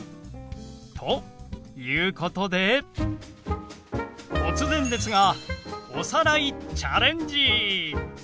ということで突然ですがおさらいチャレンジ！